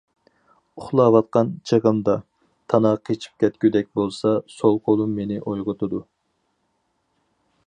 ئۇخلاۋاتقان چېغىمدا، تانا قېچىپ كەتكۈدەك بولسا، سول قولۇم مېنى ئويغىتىدۇ.